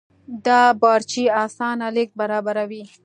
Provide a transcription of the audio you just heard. دا بارچي اسانه لېږد برابروي.